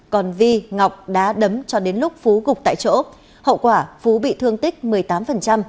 còn vi ngọc đã đấm cho đến lúc phú gục tại chỗ hậu quả phú bị thương tích một mươi tám